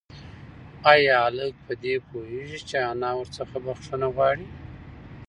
ایا هلک په دې پوهېږي چې انا ورڅخه بښنه غواړي؟